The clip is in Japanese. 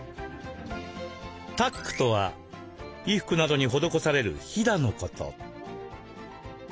「タック」とは衣服などに施される「ひだ」のこと。